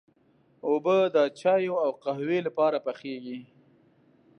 اوبه د چايو او قهوې لپاره پخېږي.